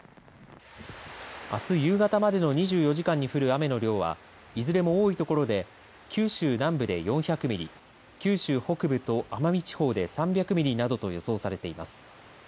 あす夕方までの２４時間に降る雨の量はいずれも多いところで九州南部で４００ミリ九州北部と奄美地方で３００ミリなどと予想されています。